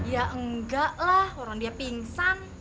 ya enggak lah orang dia pingsan